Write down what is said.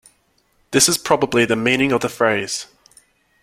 This is probably the meaning of the phrase.